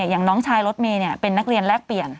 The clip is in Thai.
อย่างน้องชายรถเมย์เป็นนักเรียนแลกเปลี่ยน